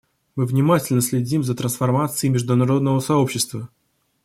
Мы внимательно следим за трансформацией международного сообщества.